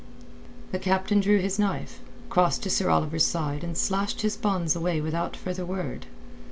The captain drew his knife, crossed to Sir Oliver's side and slashed his bonds away without further word.